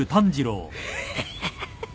ヒハハハ。